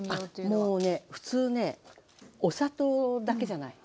もうね普通ねお砂糖だけじゃない。